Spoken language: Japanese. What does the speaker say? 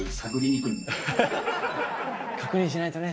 確認しないとね。